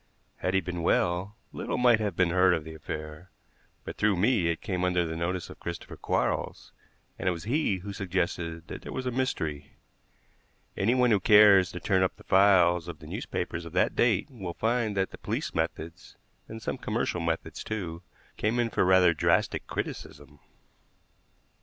Had he been well, little might have been heard of the affair; but through me it came under the notice of Christopher Quarles, and it was he who suggested that there was a mystery. Anyone who cares to turn up the files of the newspapers of that date will find that the police methods, and some commercial methods, too, came in for rather drastic criticism. Dr.